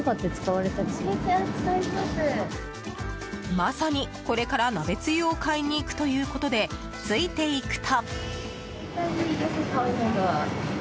まさにこれから鍋つゆを買いに行くということでついていくと。